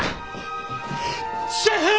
・シェフ！